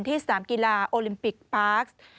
สนามกีฬาโอลิมปิกปาร์ค